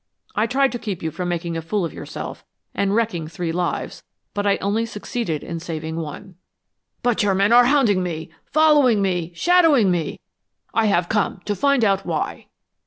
I tried to keep you from making a fool of yourself and wrecking three lives, but I only succeeded in saving one." "But your men are hounding me, following me, shadowing me! I have come to find out why!"